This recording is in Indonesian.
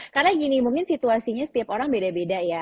karena gini mungkin situasinya setiap orang beda beda ya